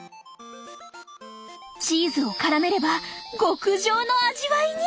チーズをからめれば極上の味わいに。